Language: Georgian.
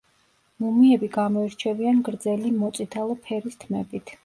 მუმიები გამოირჩევიან გრძელი მოწითალო ფერის თმებით.